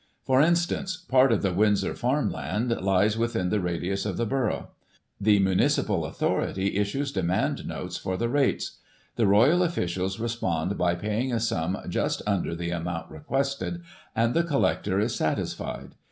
For instance, part of the Windsor farm land lies within the radius of the borough. The municipal authority issues demand notes for the rates. The Royal officials respond by paying a sum just under the amount requested, and the collector is satisfied.